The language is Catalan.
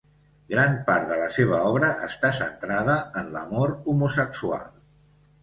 Gran part de la seva obra està centrada en l'amor homosexual.